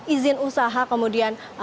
izin usaha kemudian